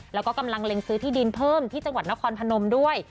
แล้วก็กำลังเล็งซื้อที่ดินเพิ่มที่จังหวัดนครพนมด้วย